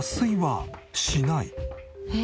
えっ？